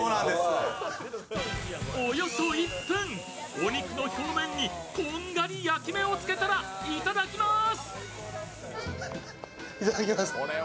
お肉の表面にこんがり焼き目をつけたらいただきます。